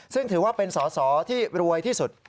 ซึ่งถือว่าเป็นสอสอที่รวยที่สุด